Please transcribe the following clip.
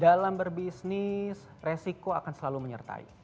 dalam berbisnis resiko akan selalu menyertai